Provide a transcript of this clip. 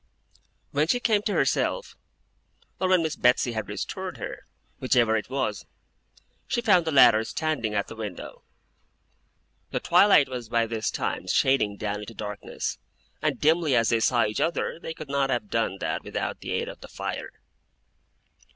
When she came to herself, or when Miss Betsey had restored her, whichever it was, she found the latter standing at the window. The twilight was by this time shading down into darkness; and dimly as they saw each other, they could not have done that without the aid of the fire.